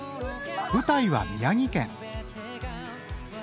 舞台は宮城県。